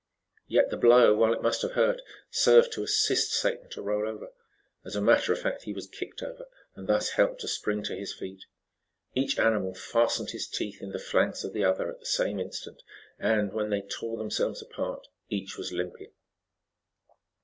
Yet, the blow while it must have hurt, served to assist Satan to roll over. As a matter of fact he was kicked over, and thus helped to spring to his feet. Each animal fastened his teeth in the flanks of the other at the same instant, and, when they tore themselves apart, each was limping.